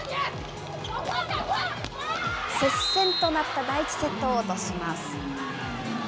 接戦となった第１セットを落とします。